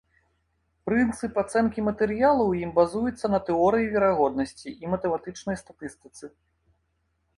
Прынцып ацэнкі матэрыялу ў ім базуецца на тэорыі верагоднасці і матэматычнай статыстыцы.